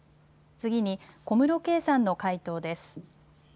次に、小室圭さんの回答です。